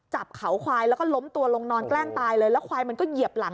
จับเขาควายแล้วก็ล้มตัวลงนอนแกล้งตายเลยแล้วควายมันก็เหยียบหลัง